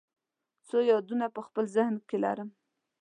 څو یادونه په خپل ذهن کې کرم